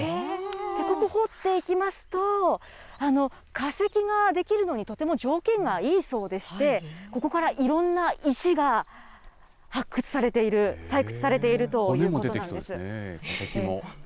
ここ掘っていきますと、化石が出来るのにとても条件がいいそうでして、ここからいろんな石が発掘されている、採掘されているということなんです。